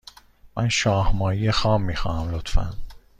من شاه ماهی خام می خواهم، لطفا.